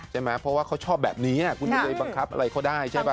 ใช่ไหมเพราะว่าเขาชอบแบบนี้คุณจะไปบังคับอะไรเขาได้ใช่ป่